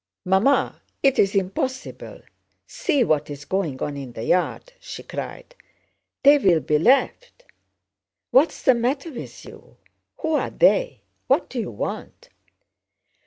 "Mamma, it's impossible: see what is going on in the yard!" she cried. "They will be left!..." "What's the matter with you? Who are 'they'? What do you want?"